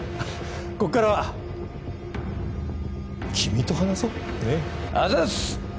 こっからは君と話そうねっあざっす！